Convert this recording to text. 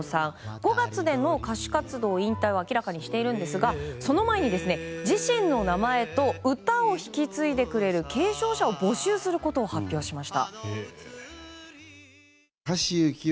５月での歌手活動引退を明らかにしているんですがその前に自身の名前と歌を引き継いでくれる継承者を募集することを発表しました。